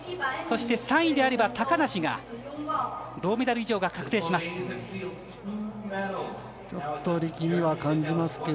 そして、３位であれば高梨が銅メダル以上が確定します。